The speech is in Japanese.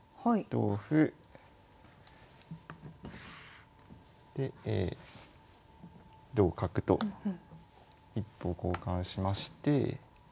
同歩で同角と一歩を交換しまして。